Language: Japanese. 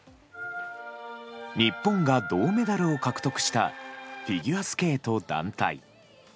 日本が銅メダルを獲得したフィギュアスケート団体。